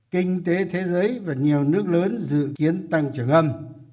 kinh tế thế giới và nhiều nước lớn dự kiến tăng trưởng âm